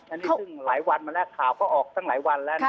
อันนี้ซึ่งหลายวันมาแล้วข่าวก็ออกตั้งหลายวันแล้ว